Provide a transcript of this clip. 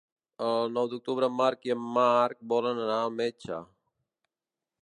El nou d'octubre en Marc i en Marc volen anar al metge.